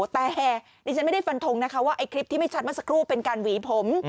แต่ดิฉันไม่ได้ฟันทงนะคะว่าไอ้คลิปที่ไม่ชัดเมื่อสักครู่เป็นการหวีผม